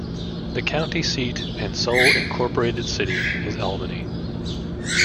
The county seat and sole incorporated city is Albany.